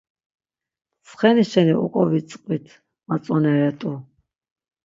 Tsxeni şeni oǩovitzqvit matznoreret̆u.